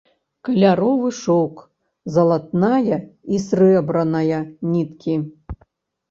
Каляровы шоўк, залатная і срэбраная ніткі.